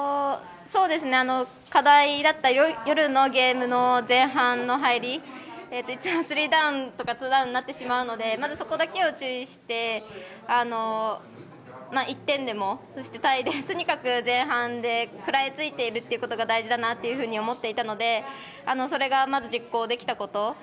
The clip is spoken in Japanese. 課題だった夜のゲームの前半の入り、いつもスリーダウンとかツーダウンになってしまうのでまず、そこだけを注意して１点でも、とにかく前半で食らいついていくということが大事だなというふうに思っていたのでそれが、まず実行できたこと。